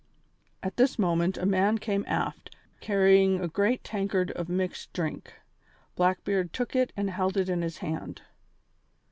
At this moment a man came aft, carrying a great tankard of mixed drink. Blackbeard took it and held it in his hand.